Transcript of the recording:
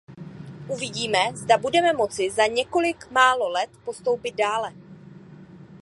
Uvidíme, zda budeme moci za několik málo let postoupit dále.